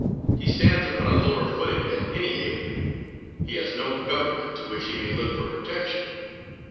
He stands upon a lower footing than any alien; he has no government to which he may look for protection.